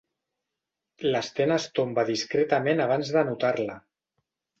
L'Sten es tomba discretament abans d'anotar-la.